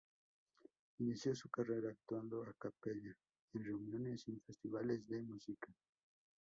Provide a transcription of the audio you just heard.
Inició su carrera actuando a capella en reuniones y en festivales de música.